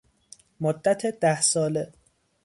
مدت ده ساله